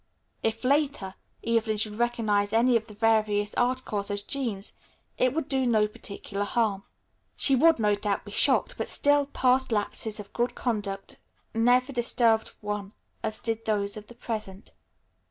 If, later, Evelyn should recognize any of the various articles as Jean's, it would do no particular harm. She would, no doubt, be shocked, but still past lapses of good conduct never disturbed one as did those of the present.